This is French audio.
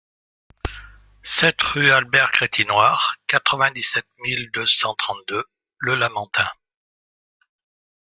sept rue Albert Crétinoir, quatre-vingt-dix-sept mille deux cent trente-deux Le Lamentin